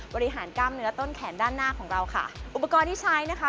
บริหารกล้ามเนื้อต้นแขนด้านหน้าของเราค่ะอุปกรณ์ที่ใช้นะคะ